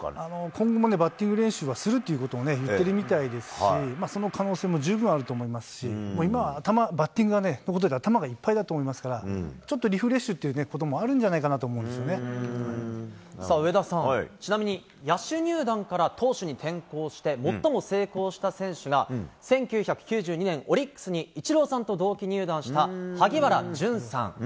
今後もバッティング練習はするっていうことを言ってるみたいですし、その可能性も十分あると思いますし、今は頭、バッティングのことで頭がいっぱいだと思いますから、ちょっとリフレッシュということもあるんじゃないかなと思うんで上田さん、ちなみに野手入団から投手に転向して、最も成功した選手が１９９２年、オリックスにイチローさんと同期入団した萩原淳さん。